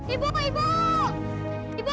ibu ibu ibu